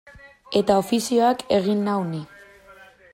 Eta ofizioak egin nau ni.